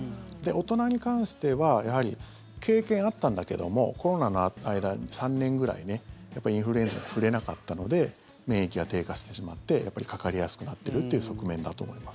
大人に関してはやはり経験あったんだけどもコロナの間に３年ぐらいインフルエンザに触れなかったので免疫が低下してしまってかかりやすくなってるっていう側面だと思います。